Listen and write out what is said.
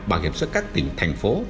bảo hiểm xã hội các tỉnh thành phố